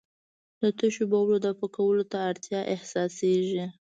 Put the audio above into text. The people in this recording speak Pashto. د تشو بولو دفع کولو ته اړتیا احساسېږي.